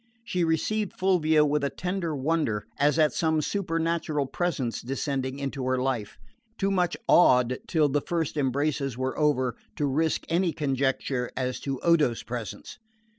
She received Fulvia with a tender wonder, as at some supernatural presence descending into her life, too much awed, till the first embraces were over, to risk any conjecture as to Odo's presence.